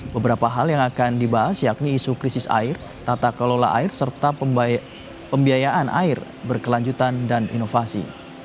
beberapa hal yang akan dibahas yakni isu krisis air tata kelola air serta pembiayaan air berkelanjutan dan inovasi